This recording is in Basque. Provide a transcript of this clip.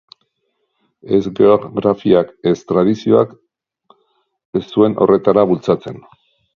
Ez geografiak ez tradizioak ez zuen horretara bultzatzen.